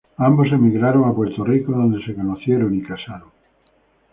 Ambos emigraron a Puerto Rico donde se conocieron y casaron.